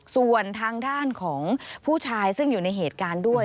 ส่วนทางด้านของผู้ชายซึ่งอยู่ในเหตุการณ์ด้วย